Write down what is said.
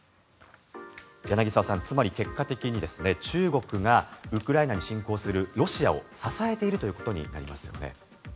柳澤さん、つまり結果的に中国がウクライナに侵攻するロシアを支えていることになりますよね。